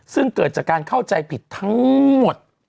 ซึ่งเกิดจากการเข้าใจผิดทั้งหมด